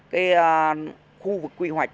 cái khu vực quy hoạch